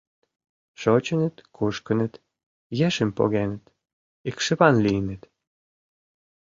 Шочыныт, кушкыныт, ешым погеныт, икшыван лийыныт.